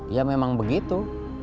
ya memang begitu